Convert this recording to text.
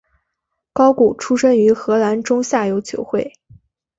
高古出身于荷兰中下游球会。